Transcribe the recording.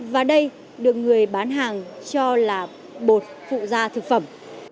và đây được người bán hàng cho là bột phụ da thực phẩm